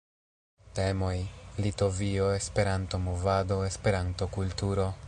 Temoj: Litovio, Esperanto-movado, Esperanto-kulturo.